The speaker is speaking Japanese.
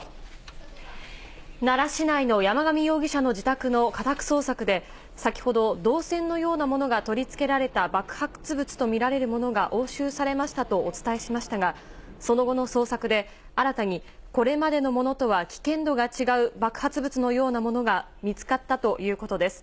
奈良市内の山上容疑者の自宅の家宅捜索で、先ほど銅線のようなものが取り付けられた爆発物と見られるものが押収されましたとお伝えしましたが、その後の捜索で、新たにこれまでのものとは危険度が違う爆発物のようなものが見つかったということです。